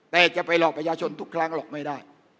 แต่จะไปหลอกประชาชนทุกครั้งหรอกไม่ได้